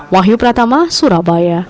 wahyu pratama surabaya